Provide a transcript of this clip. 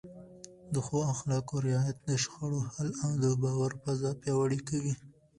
د ښو اخلاقو رعایت د شخړو حل او د باور فضا پیاوړې کوي.